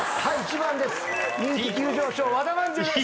人気急上昇和田まんじゅうです。